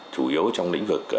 chủ yếu trong lĩnh vực